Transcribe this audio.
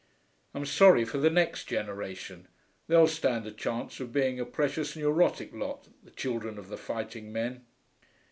I'm sorry for the next generation; they'll stand a chance of being a precious neurotic lot, the children of the fighting men....